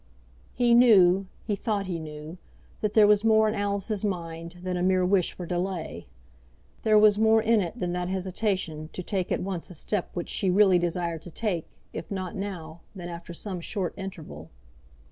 He knew, he thought he knew, that there was more in Alice's mind than a mere wish for delay. There was more in it than that hesitation to take at once a step which she really desired to take, if not now, then after some short interval.